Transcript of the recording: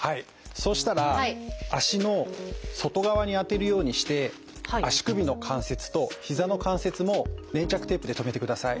そうしたら脚の外側に当てるようにして足首の関節と膝の関節も粘着テープで留めてください。